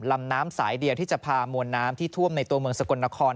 ลำน้ำสายเดียวที่จะพามวลน้ำที่ท่วมในตัวเมืองสกลนคร